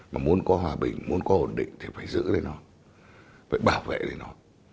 mà muốn có hòa bình muốn có ổn định thì phải giữ lên nó phải bảo vệ để nó